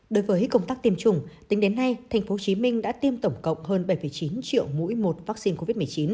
đối với công tác tiêm chủng tính đến nay tp hcm đã tiêm tổng cộng hơn bảy chín triệu mũi một vaccine covid một mươi chín